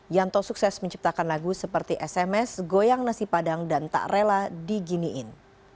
yanto sukses menciptakan lagu seperti sms goyang nasi padang dan tak rela diginiin